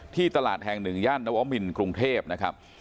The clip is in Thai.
ตลาดแห่งหนึ่งย่านนวมินกรุงเทพนะครับ